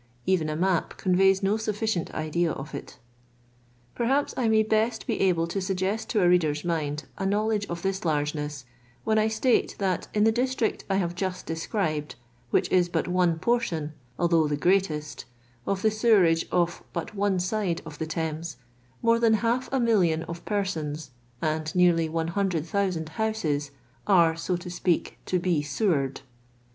Even a map conveys no sufficient idea of it. Perhaps I may best be able to suggest to a reader's mind a knowledge of this largeness, when I state that in the district I have just described, which is but ont portion (although the greatest) of the sewerage of but one side of the Thames, more than half a million of persons, and nearly 100,000 houses are, so to speak, to be sewered.